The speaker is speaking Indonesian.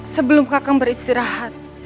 sebelum kakang beristirahat